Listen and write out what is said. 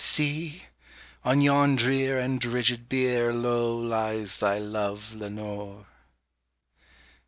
See! on yon drear and rigid bier low lies thy love, Lenore!